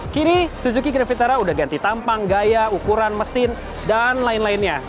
kini suzuki grand vitara udah ganti tampang gaya ukuran mesin dan lain lainnya